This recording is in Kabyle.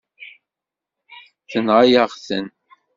Tenɣa-yaɣ-ten.